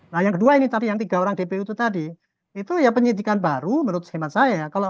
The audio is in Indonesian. nah yang kedua ini tadi yang tiga orang dpu itu tadi itu ya penyidikan baru menurut hemat saya